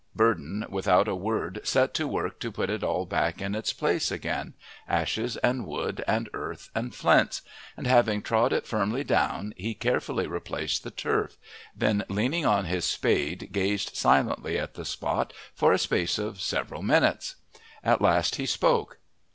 Burdon without a word set to work to put it all back in its place again ashes and wood, and earth and flints and having trod it firmly down he carefully replaced the turf, then leaning on his spade gazed silently at the spot for a space of several minutes. At last he spoke.